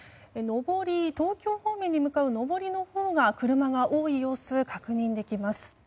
東京方面に向かう上りのほうが車が多い様子が確認できます。